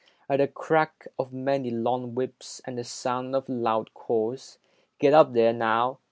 At the crack of many long whips and the sound of loud calls, "Get up there, now!